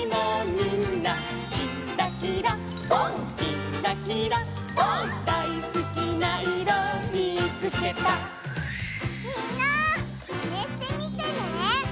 みんなマネしてみてね。